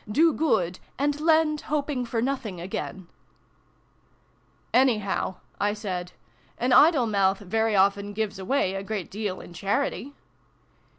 ' Do good, and lend, hoping for nothing again' ' "Anyhow," I said, "an 'idle mouth' very often gives away a great deal in charity."